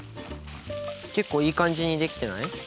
結構いい感じにできてない？